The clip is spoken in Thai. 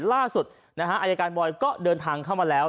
ล่าสุดนะฮะอายการบอยก็เดินทางเข้ามาแล้ว